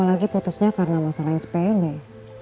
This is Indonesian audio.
apalagi putusnya karena masalah spl deh